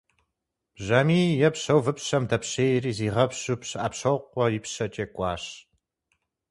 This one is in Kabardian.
Бжьамий епщэу выпщэм дэпщейри, зигъэпщу Пщыӏэпщокъуэ ипщэкӏэ кӏуащ.